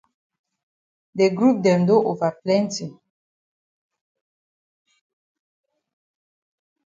De group dem don ova plenti.